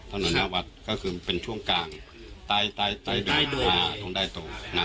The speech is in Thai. ถนนหน้าวัดก็คือเป็นช่วงกลางใต้ตรงใต้โตนะ